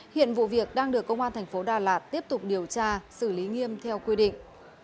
hiện vụ việc đang được công an thành phố đà lạt tiếp tục điều tra xử lý nghiêm theo quy định